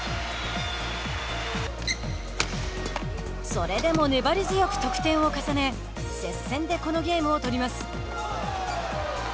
それでも粘り強く得点を重ね接戦でこのゲームを取ります。